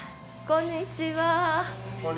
こんにちは。